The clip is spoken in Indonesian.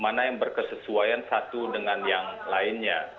mana yang berkesesuaian satu dengan yang lainnya